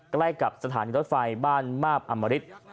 ใกล้กับสถานีรถไฟบ้านมาบอำมริต